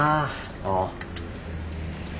ああ。